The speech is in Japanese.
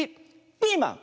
ピーマン。